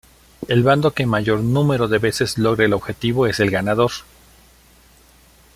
El bando que mayor número de veces logre el objetivo es el ganador.